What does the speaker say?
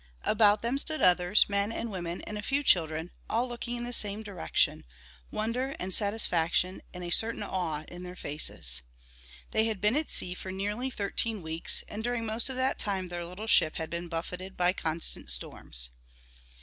About them stood others, men and women and a few children, all looking in the same direction, wonder and satisfaction and a certain awe in their faces. They had been at sea for nearly thirteen weeks, and during most of that time their little ship had been buffeted by constant storms.